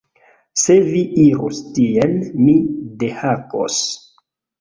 Se vi irus tien, mi dehakos